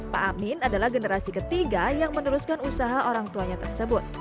pak amin adalah generasi ketiga yang meneruskan usaha orang tuanya tersebut